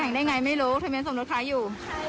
แต่งกันได้ยังไงไม่รู้ศัลเบียนสมรสละครับอยู่